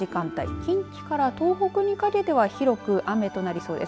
近畿から東北にかけては広く雨となりそうです。